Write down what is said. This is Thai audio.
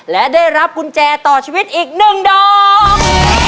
และได้รับกุญแจต่อชีวิตอีก๑ดอก